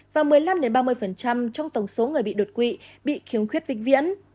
và một mươi năm ba mươi trong tổng số người bị đột quỵ bị khiếm khuyết vĩnh viễn